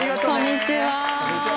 こんにちは。